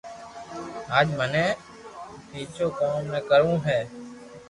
اج مني ڀآجو ڪوم بي ڪروو ھي